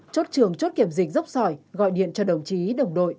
chốt trường chốt kiểm dịch dốc sỏi gọi điện cho đồng chí đồng đội